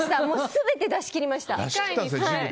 すべて出し切りました。